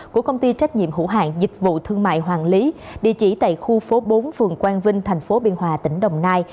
của công ty trách nhiệm hữu hạng dịch vụ thương mại hoàng lý địa chỉ tại khu phố bốn phường quang vinh thành phố biên hòa tỉnh đồng nai